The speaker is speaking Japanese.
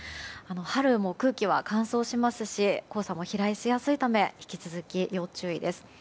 春も空気は乾燥しますし黄砂も飛来しやすいため引き続き要注意です。